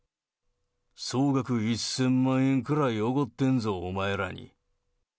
総額１０００万円くらいおごってんぞ、お前らに。